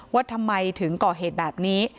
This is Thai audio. ว่าทำไมถึงก่อเหตุแบบนี้